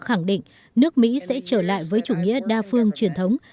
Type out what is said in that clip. khẳng định nước mỹ sẽ trở lại với chủ nghĩa đa phương truyền thống